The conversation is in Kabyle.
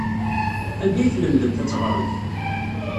Anda ay tlemdemt ad teɣremt?